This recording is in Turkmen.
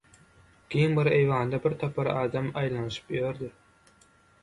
Giň bir eýwanda birtopar adam aýlanyşyp ýördi.